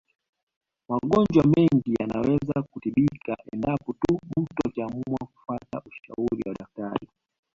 Magonjwa mengi yanaweza kutibika endapo tu mtu akiamua kufata ushauri wa daktari